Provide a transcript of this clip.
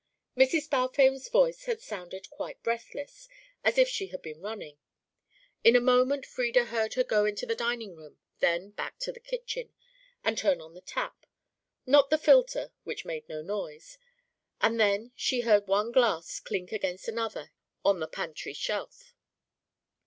Mrs. Balfame's voice had sounded quite breathless, as if she had been running. In a moment Frieda heard her go into the dining room then back to the kitchen, and turn on the tap, not the filter, which made no noise, and then she heard one glass clink against another on the pantry shelf.